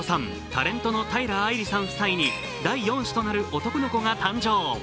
タレントの平愛梨さん夫妻に第４子となる、男の子が誕生。